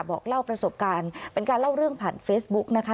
บอกเล่าประสบการณ์เป็นการเล่าเรื่องผ่านเฟซบุ๊กนะคะ